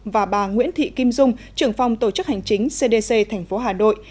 và bà nguyễn thị kim dung trưởng phòng tổ chức hành chính cdc tp hà nội